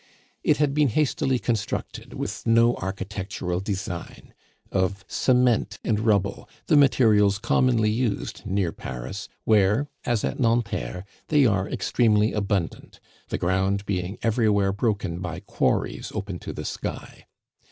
It had been hastily constructed, with no architectural design, of cement and rubble, the materials commonly used near Paris, where, as at Nanterre, they are extremely abundant, the ground being everywhere broken by quarries open to the sky.